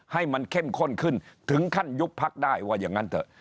ให้มันเข้มข้นขึ้นถึงขั้นยุบพักได้ว่าอย่างนั้นเถอะ